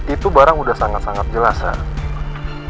itu barang udah sangat sangat jelasan